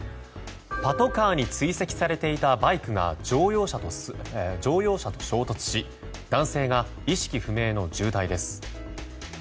パトカーに追跡されていたバイクが乗用車と衝突し男性が意識不明の重体です。